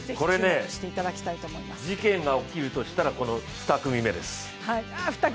これね、事件が起きるとしたらこの２組目です。